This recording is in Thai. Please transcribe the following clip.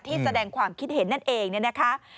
แสดงความคิดเห็นนั่นเองเนี่ยนะคะ